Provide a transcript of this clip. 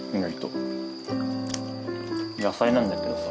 野菜なんだけどさ。